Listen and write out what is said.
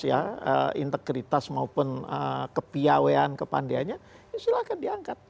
kita jelas ya integritas maupun kepiawean kepandainya silahkan diangkat